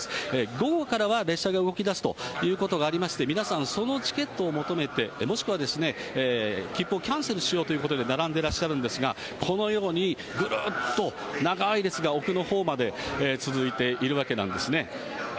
午後からは列車が動きだすということがありまして、皆さん、そのチケットを求めて、もしくは、切符をキャンセルしようということで並んでらっしゃるんですが、このように、ぐるーっと長ーい列が奥のほうまで続いているわけなんですね。